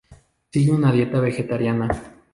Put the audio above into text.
Sigue una dieta vegetariana.